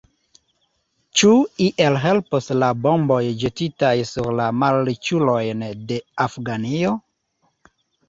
Ĉu iel helpos la bomboj ĵetitaj sur la malriĉulojn de Afganio?